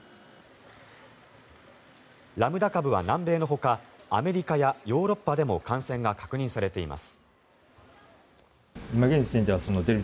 ラムダ株は南米のほかアメリカやヨーロッパでも感染が確認されています。